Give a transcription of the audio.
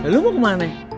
lu mau kemana